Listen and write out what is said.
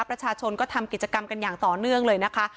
ประชาชนก็ทำกิจกรรมกันอย่างต่อเนื่องเลยนะคะ